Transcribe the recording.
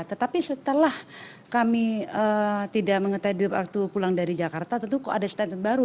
tetapi setelah kami tidak mengetahui waktu pulang dari jakarta tentu kok ada standar baru